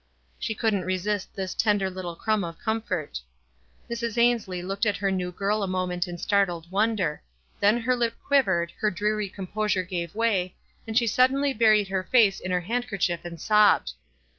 '" She couldn't resist this tender little crumb of comfort. Mrs. Ainslie looked at her new girl a moment in startled wonder ; then her lip quivered, her dreary com 308 WISE AND OTHERWISE. posure gave way, and she suddenly buried her face in her handkerchief and sobbed.